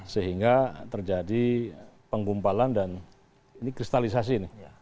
sehingga terjadi penggumpalan dan kristalisasi